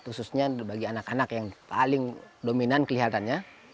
khususnya bagi anak anak yang paling dominan kelihatannya